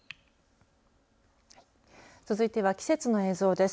続いては季節の映像です。